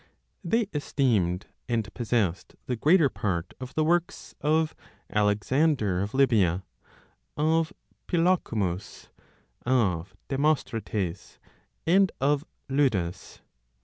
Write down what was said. They esteemed and possessed the greater part of the works of Alexander of Lybia, of Philocomus, of Demostrates and of Lydus.